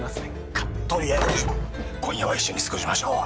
とりあえず今夜は一緒に過ごしましょう。